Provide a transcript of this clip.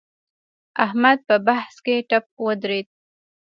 احمد په بحث کې ټپ ودرېد.